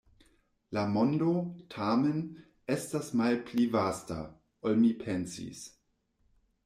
La mondo, tamen, estas malpli vasta, ol mi pensis.